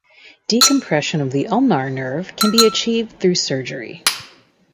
Decompression of the ulnar nerve can be achieved through surgery.